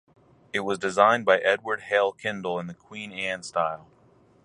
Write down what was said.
It was designed by Edward Hale Kendall in the Queen Anne style.